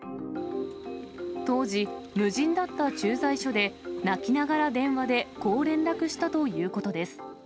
当時、無人だった駐在所で、泣きながら電話でこう連絡したということです。